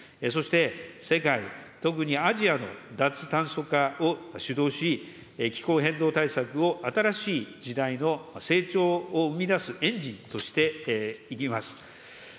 そして世界、特にアジアの脱炭素化を主導し、気候変動対策を新しい時代の成長を生み出すエンジンとしていきます。